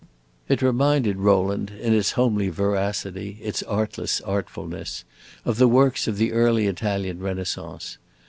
It reminded Rowland in its homely veracity, its artless artfulness, of the works of the early Italian Renaissance.